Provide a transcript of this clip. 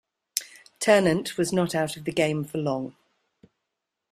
Ternent was not out of the game for long.